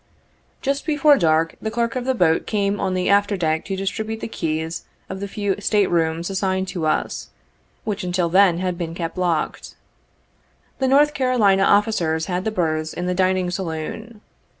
Just before dark, the clerk of the boat came on the after deck to distribute the keys of the few state rooms assigned to us, which until then had been kept locked. The North Carolina officers had the berths in the dining saloon.